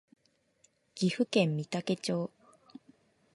岐阜県御嵩町